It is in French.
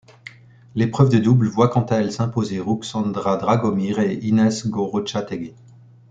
L'épreuve de double voit quant à elle s'imposer Ruxandra Dragomir et Inés Gorrochategui.